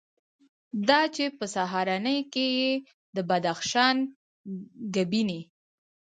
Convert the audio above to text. دا چې په سهارنۍ کې یې د بدخشان ګبیني،